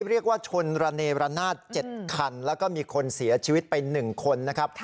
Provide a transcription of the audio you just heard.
เรียกว่าชนระเนรนาศ๗คันแล้วก็มีคนเสียชีวิตไป๑คนนะครับ